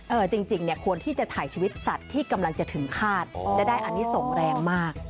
จริงเนี่ยควรที่จะถ่ายชีวิตสัตว์ที่กำลังจะถึงคาดจะได้อันนี้ส่งแรงมาก